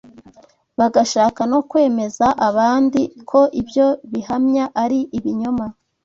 bagashaka no kwemeza abandi ko ibyo bihamya ari ibinyoma.